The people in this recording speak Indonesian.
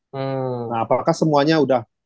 hmm nah apakah semuanya udah